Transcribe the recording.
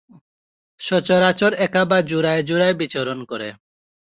সচরাচর একা বা জোড়ায় জোড়ায় বিচরণ করে।